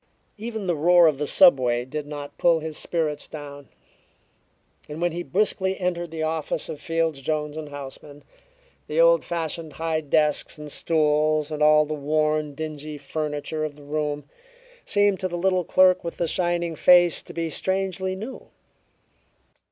Even the roar of the subway did not pull his spirits down, and when he briskly entered the office of Fields, Jones & Houseman, the old fashioned high desks and stools and all the worn, dingy furniture of the room seemed to the little clerk with the shining face to be strangely new.